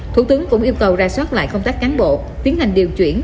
thủ tướng cũng yêu cầu ra soát lại công tác cán bộ tiến hành điều chuyển